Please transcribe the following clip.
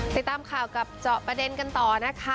ติดตามข่าวกับเจาะประเด็นกันต่อนะคะ